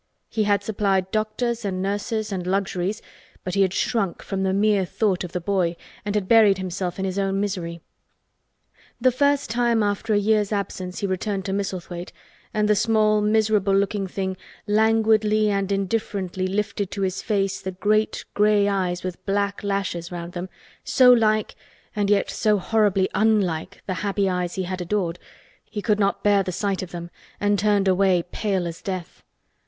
He had supplied doctors and nurses and luxuries, but he had shrunk from the mere thought of the boy and had buried himself in his own misery. The first time after a year's absence he returned to Misselthwaite and the small miserable looking thing languidly and indifferently lifted to his face the great gray eyes with black lashes round them, so like and yet so horribly unlike the happy eyes he had adored, he could not bear the sight of them and turned away pale as death.